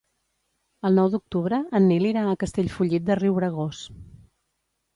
El nou d'octubre en Nil irà a Castellfollit de Riubregós.